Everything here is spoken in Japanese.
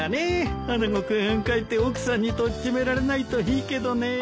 穴子君帰って奥さんにとっちめられないといいけどね。